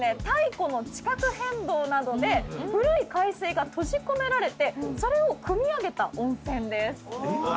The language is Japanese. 太古の地殻変動などで古い海水が閉じ込められてそれをくみ上げた温泉です。